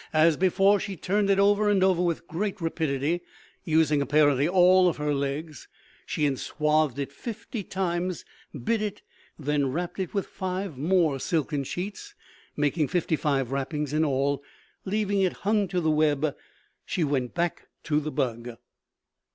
As before, she turned it over and over with great rapidity, using apparently all of her legs. She enswathed it fifty times, bit it, and then wrapped it with five more silken sheets, making fifty five wrappings in all. Leaving it hung to the web, she went back to the bug.